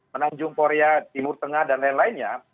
menanjung korea timur tengah dan lain lainnya